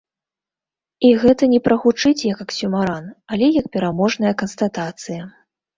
І гэта не прагучыць як аксюмаран, але як пераможная канстатацыя.